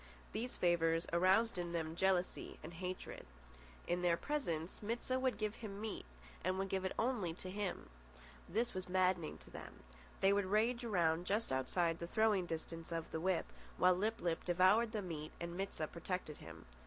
These favours aroused in them jealousy and hatred. In their presence Mit sah would give him meat and would give it to him only. This was maddening to them. They would rage around just outside the throwing distance of the whip, while Lip lip devoured the meat and Mit sah protected him.